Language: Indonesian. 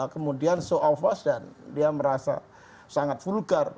kemudian so over dan dia merasa sangat vulgar